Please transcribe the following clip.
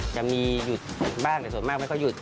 จะมีหยุดบ้างแต่ส่วนมากไม่ค่อยหยุด